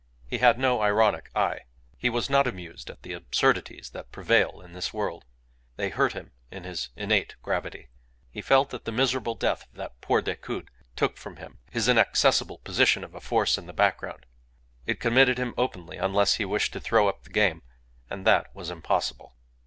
He had no ironic eye. He was not amused at the absurdities that prevail in this world. They hurt him in his innate gravity. He felt that the miserable death of that poor Decoud took from him his inaccessible position of a force in the background. It committed him openly unless he wished to throw up the game and that was impossible.